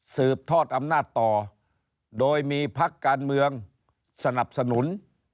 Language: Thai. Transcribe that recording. สืบทอดอำนาจต่อโดยมีพักการเมืองสนับสนุน